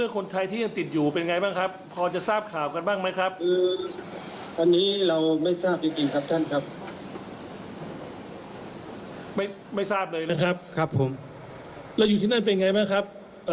คนที่ยังติดคล่างอยู่รึเปล่าครับ